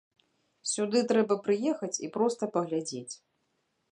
Сюды трэба прыехаць і проста паглядзець.